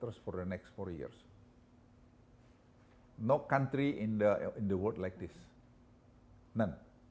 yang memanggap juga sangat kondisi kota dengan indonesian p comprende